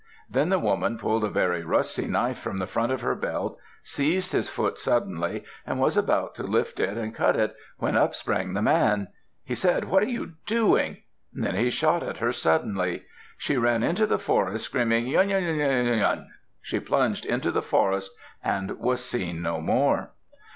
Then the woman pulled a very rusty knife from the front of her belt, seized his foot suddenly and was about to lift it and cut it, when up sprang the man. He said, "What are you doing?" Then he shot at her suddenly. She ran into the forest screaming, "Yun! yun! yun! yun! yun! yun!" She plunged into the forest and was seen no more.